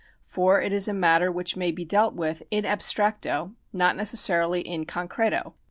For it is a matter which may be dealt with in abstracto, not necessarily in concreto.